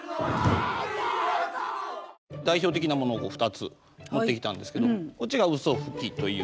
代表的なものを２つ持ってきたんですけどこっちがうそふきという。